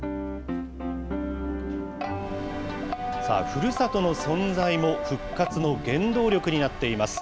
さあ、ふるさとの存在も、復活の原動力になっています。